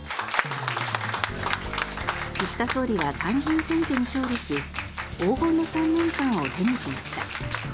岸田総理は参議院選挙に勝利し黄金の３年間を手にしました。